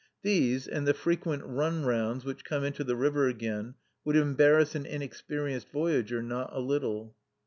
These, and the frequent "runrounds" which come into the river again, would embarrass an inexperienced voyager not a little.